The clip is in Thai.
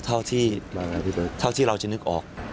เท่าที่เราจะนึกออก